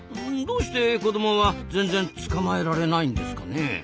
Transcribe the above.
どうして子どもは全然捕まえられないんですかね？